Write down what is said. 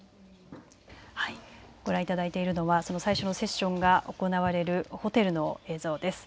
ご覧いただいているのは最初のセッションが行われるホテルの映像です。